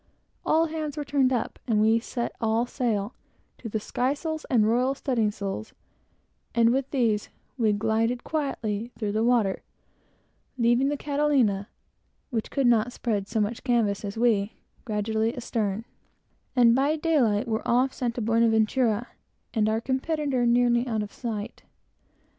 All hands were turned up, and we set all sail, to the skysails and the royal studding sails; and with these, we glided quietly through the water, leaving the Catalina, which could not spread so much canvas as we, gradually astern, and, by daylight, were off St. Buenaventura, and our antagonist nearly out of sight.